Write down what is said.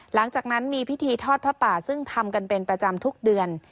หลังจากนั้นมีพิธีทอดผ้าป่าซึ่งทำกันเป็นประจำทุกเดือน